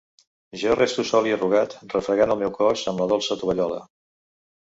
Jo resto sol i arrugat, refregant el meu cos amb la dolça tovallola.